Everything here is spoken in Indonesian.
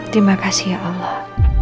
terima kasih ya allah